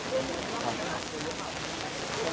ที่ใส่ตลอด